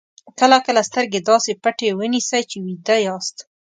کله کله سترګې داسې پټې ونیسئ چې ویده یاست.